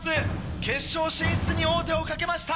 決勝進出に王手をかけました！